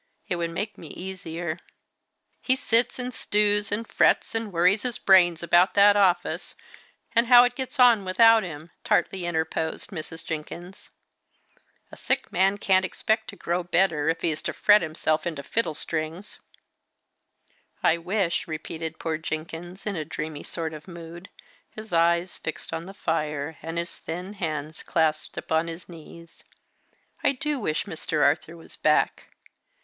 It would make me easier." "He sits, and stews, and frets, and worries his brains about that office, and how it gets on without him!" tartly interposed Mrs. Jenkins. "A sick man can't expect to grow better, if he is to fret himself into fiddlestrings!" "I wish," repeated poor Jenkins in a dreamy sort of mood, his eyes fixed on the fire, and his thin hands clasped upon his knees: "I do wish Mr. Arthur was back.